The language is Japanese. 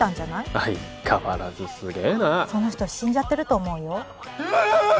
相変わらずすげえなその人死んじゃってると思うようわあっ！